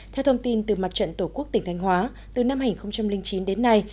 theo thông tin từ mặt trận tổ quốc tỉnh thanh hóa từ năm hai nghìn chín đến nay